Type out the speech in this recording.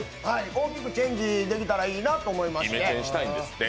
大きくチェンジできたらいいなと思いまして。